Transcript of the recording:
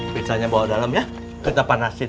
pizzanya bawa dalam ya kita panasin